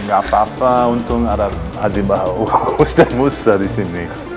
gak apa apa untung ada adibah wakus dan wusa di sini